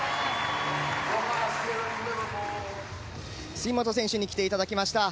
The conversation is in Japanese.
杉本選手に来ていただきました。